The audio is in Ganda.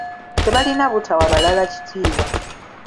Tebalina butawa balala kitiibwa.